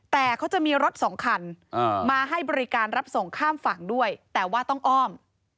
แต่เขาจะมีรถสองคันมาให้บริการรับส่งข้ามฝั่งด้วยแต่ว่าต้องอ้อม